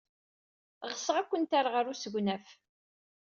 Ɣseɣ ad kent-rreɣ ɣer usegnaf.